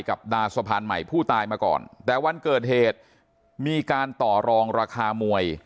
กับดาสะพานใหม่ผู้ตายมาก่อนแต่วันเกิดเหตุมีการต่อรองราคามวย